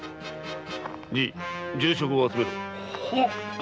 じい重職を集めろ。